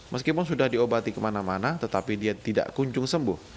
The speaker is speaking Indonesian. meskipun sudah diobati kemana mana tetapi dia tidak kunjung sembuh